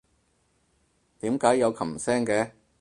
點解有琴聲嘅？